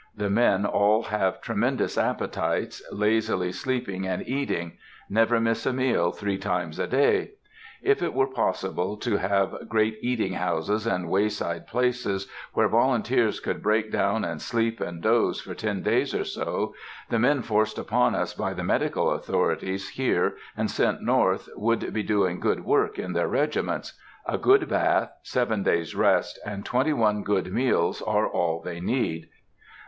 The men all have tremendous appetites, lazily sleeping and eating,—never miss a meal three times a day. If it were possible to have great eating houses and wayside places, where volunteers could break down and sleep and doze for ten days or so, the men forced upon us by the medical authorities here and sent North would be doing good work in their regiments,—a good bath, seven days' rest, and twenty one good meals are all they need.